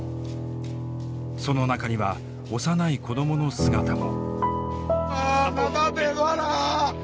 その中には幼い子どもの姿も。